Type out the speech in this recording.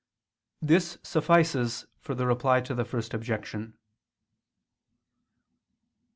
This suffices for the Reply to the First Objection.